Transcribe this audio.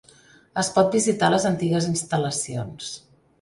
Es pot visitar les antigues instal·lacions.